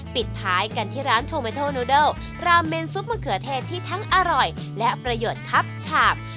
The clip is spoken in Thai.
ปิดท้ายกันที่ร้านโทเมโทนูเดิลราเมนซุปมะเขือเทนที่ทั้งอร่อยและประโยชน์ทับฉาบ